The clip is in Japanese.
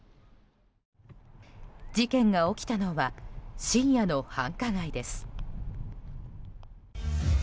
事件が起きたのは深夜の繁華街です。